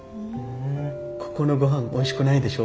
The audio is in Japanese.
ここのごはんおいしくないでしょ。